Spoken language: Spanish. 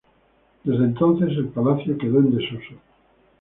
Desde entonces, el palacio quedó en desuso.